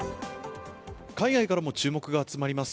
海外からも注目が集まります